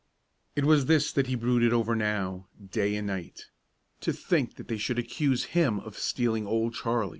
It was this that he brooded over now, day and night. To think that they should accuse him of stealing Old Charlie!